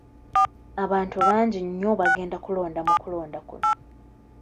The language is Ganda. Abantu bangi nnyo bagenda kulonda mu kulonda kuno.